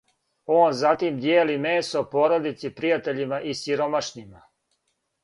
Он затим дијели месо породици, пријатељима и сиромашнима.